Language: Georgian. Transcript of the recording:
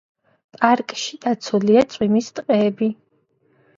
პარკში დაცულია წვიმის ტყეები.